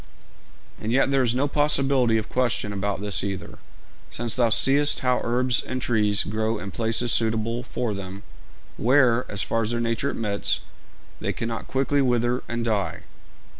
'And yet there is no possibility of question about this either, since thou seest how herbs and trees grow in places suitable for them, where, as far as their nature admits, they cannot quickly wither and die.